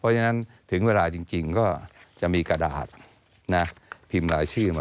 เพราะฉะนั้นถึงเวลาจริงก็จะมีกระดาษพิมพ์รายชื่อมา